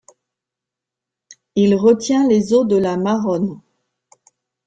Il retient les eaux de la Maronne.